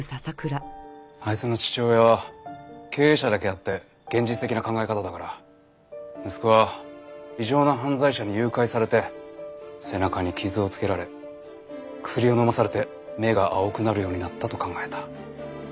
あいつの父親は経営者だけあって現実的な考え方だから息子は異常な犯罪者に誘拐されて背中に傷をつけられ薬を飲まされて目が青くなるようになったと考えた。